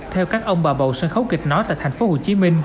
theo các ông bà bầu sân khấu kịch nói tại tp hcm